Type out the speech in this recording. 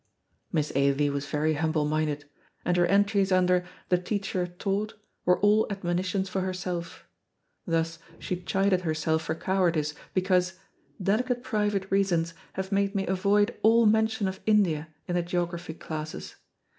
Miss Ailie was very humble minded, and her entries under THE TEACHER TAUGHT were all admonitions for herself. Thus she chided herself for cowardice because "Delicate private reasons have made me avoid all mention of India in the geography classes.